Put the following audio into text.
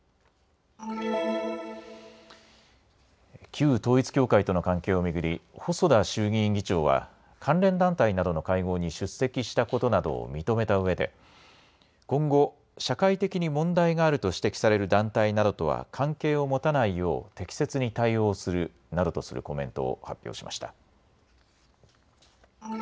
旧統一教会との関係を巡り細田衆議院議長は関連団体などの会合に出席したことなどを認めたうえで、今後、社会的に問題があると指摘される団体などとは関係を持たないよう適切に対応するなどとするコメントを発表しました。